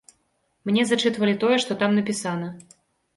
Мне зачытвалі тое, што там напісана.